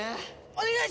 お願い！